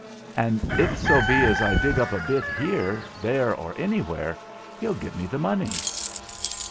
And if so be as I dig up a bit here, there, or anywhere, he'll give me the money."